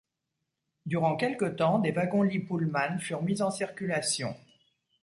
Durant quelque temps, des wagons-lits Pullman furent mis en circulation.